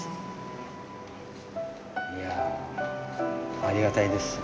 いやありがたいです。